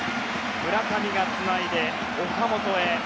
村上がつないで岡本へ。